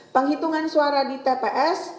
penghitungan suara di tps